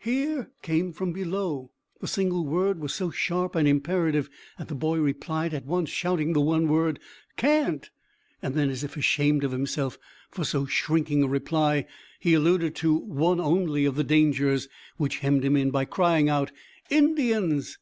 "Hear?" came from below. The single word was so sharp and imperative that the boy replied at once, shouting the one word, "Can't!" And then, as if ashamed of himself for so shrinking a reply, he alluded to one only of the dangers which hemmed him in by crying out, "Indians!"